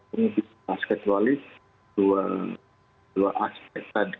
ini bisa kita skedualis dua aspek tadi